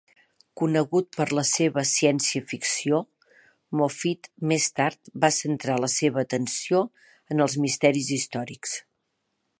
Conegut per la seva ciència-ficció, Moffitt més tard va centrar la seva atenció en els misteris històrics.